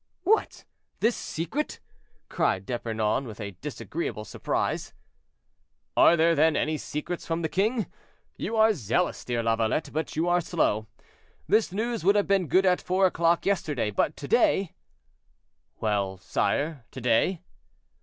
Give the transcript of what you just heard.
"What! this secret?" cried D'Epernon, with a disagreeable surprise. "Are there, then, any secrets from the king? You are zealous, dear Lavalette, but you are slow. This news would have been good at four o'clock yesterday, but to day—" "Well, sire, to day?"